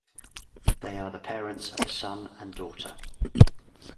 They are the parents of a son and daughter.